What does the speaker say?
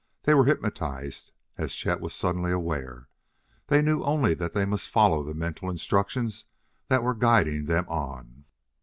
They were hypnotized, as Chet was suddenly aware; they knew only that they must follow the mental instructions that were guiding them on.